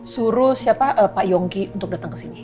suruh siapa pak yongki untuk dateng kesini